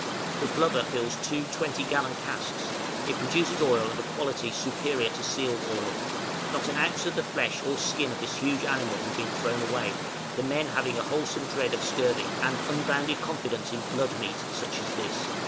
The blubber fills two twenty gallon casks; it produces oil of a quality superior to seal oil; not an ounce of the flesh or skin of this huge animal has been thrown away, the men having a wholesome dread of scurvy, and unbounded confidence in "blood meat," such as this!